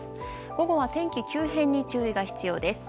午後は天気急変に注意が必要です。